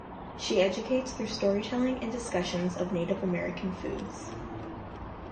She educates through storytelling and discussions of Native American foods.